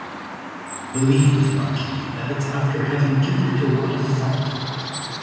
Believe, marquis, that it’s after having given it a lot of thought...